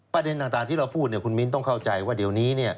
ประเด็นต่างที่เราพูดคุณมิ้นต้องเข้าใจว่าเดี๋ยวนี้